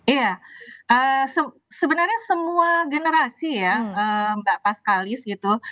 iya sebenarnya semua generasi ya mbak paskalis gitu